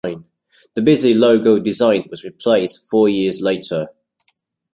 The busy logo design was replaced four years later.